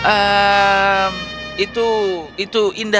ini untuk keberuntungan